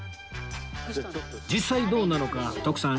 実際どうなのか徳さん